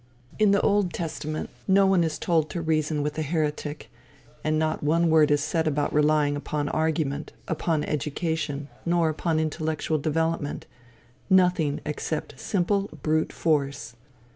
In the Old Testament no one is told to reason with a heretic, and not one word is said about relying upon argument, upon education, nor upon intellectual development nothing except simple brute force.